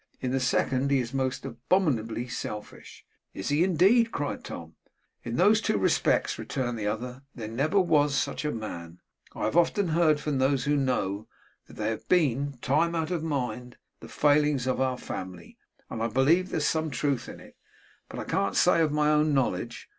In the second, he is most abominably selfish.' 'Is he indeed?' cried Tom. 'In those two respects,' returned the other, 'there never was such a man. I have often heard from those who know, that they have been, time out of mind, the failings of our family; and I believe there's some truth in it. But I can't say of my own knowledge.